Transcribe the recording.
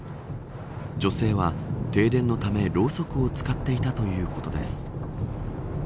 女性は停電のため、ろうそくを使っていたということです。